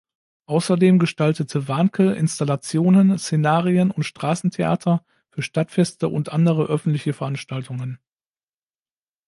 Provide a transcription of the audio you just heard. Außerdem gestaltete Wanke Installationen, Szenarien und Straßentheater für Stadtfeste und andere öffentliche Veranstaltungen.